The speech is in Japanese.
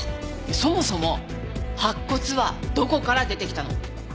そもそも白骨はどこから出てきたの？